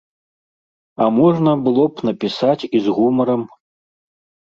А можна было б напісаць і з гумарам.